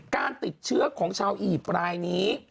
การติดเชื้อของชาวอียิปต์รายนี้